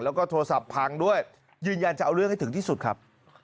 แล้วก็โทรศัพท์พังด้วยยืนยันจะเอาเรื่องให้ถึงที่สุดครับ